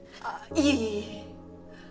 いえいえ。